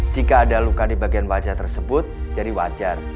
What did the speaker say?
jika ada luka di bagian wajah tersebut jadi wajar